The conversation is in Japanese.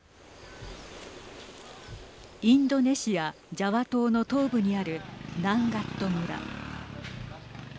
インドネシアジャワ島の東部にあるナンガット村。